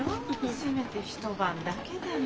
せめて一晩だけでも。